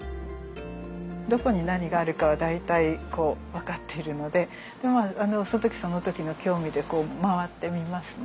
どこに何があるかは大体分かっているのでその時その時の興味で回ってみますね。